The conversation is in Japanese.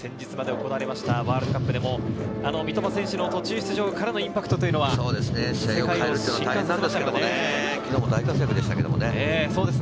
ワールドカップでも三笘選手の途中出場からのインパクトというのは、世界を震撼させましたけどね。